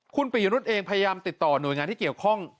คุณปิยรุษเองพยายามติดต่อหน่วยงานที่เกี่ยวข้อง